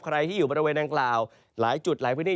ใครที่อยู่บริเวณดังกล่าวหลายจุดหลายพื้นที่